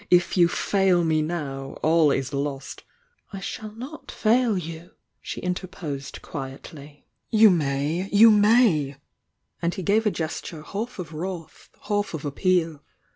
V ytu '.il me now. all 18 lost " ,']I sl^all not fail :oii," shi; interposed quietly. Tfou may— you maj ' aiil he lave a gesture half of wrath, half of appe.al.